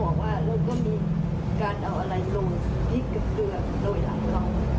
เขาก็บอกว่าแล้วก็มีการเอาอะไรโรงพริกกับเกลือโดยหลังเขา